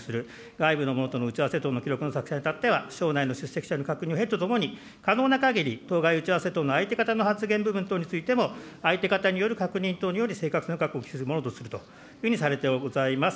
外部の者との打ち合わせ等の記録の作成にあたっては、省内の者と確認を経るとともに、可能なかぎり当該打ち合わせ等の相手方の発言部分についても、相手方による確認等により、正確性の確保をきするものとするというふうにされてございます。